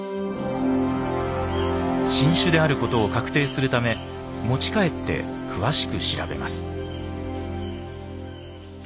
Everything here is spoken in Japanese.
新種であることを確定するため持ち帰って詳しく調べます。